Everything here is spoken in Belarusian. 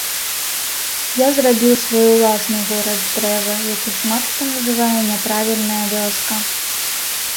Я зрабіў свой уласны горад з дрэва, які шмат хто называе няправільная вёска.